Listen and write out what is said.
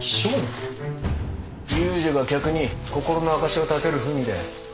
遊女が客に心の証しを立てる文だよ。